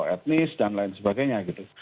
etnis dan lain sebagainya gitu